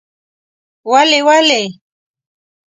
ولې؟ ولې؟؟؟ ….